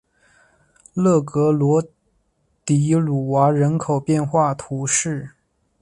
勒格罗迪鲁瓦人口变化图示